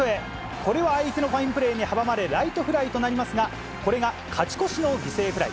これは相手のファインプレーに阻まれ、ライトフライとなりますが、これが勝ち越しの犠牲フライ。